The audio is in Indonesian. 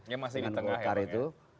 yang masih di tengah ya pak